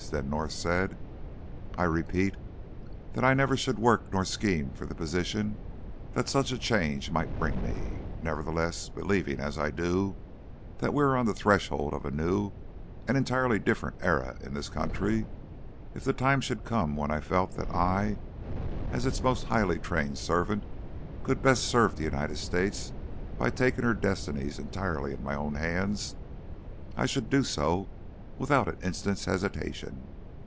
Then North said, "I repeat that I never should work nor scheme for the position that such a change might bring me. Nevertheless, believing, as I do, that we are on the threshold of a new and entirely different era in this country, if the time should come when I felt that I, as its most highly trained servant, could best serve the United States by taking her destinies entirely into my own hands, I should do so without an instant's hesitation.